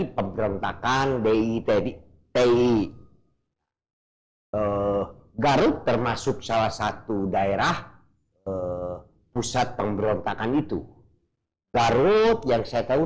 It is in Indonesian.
pemberontakan di garut termasuk salah satu daerah pusat pemberontakan itu garut yang saya tahu